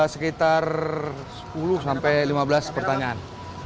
sekitar sepuluh sampai lima belas pertanyaan